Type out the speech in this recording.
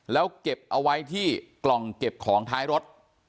แล้วเก็บเอาไว้ที่กล่องเก็บของท้ายรถ